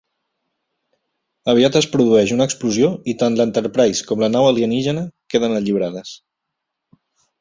Aviat es produeix una explosió i tant l'"Enterprise" com la nau alienígena queden alliberades.